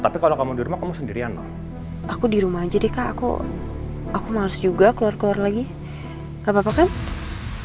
nah kok bisa keduduran gini sih sampe lupa deh